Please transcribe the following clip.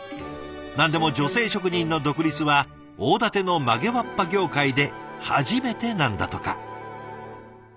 何でも女性職人の独立は大館の曲げわっぱ業界で初めてなんだとか。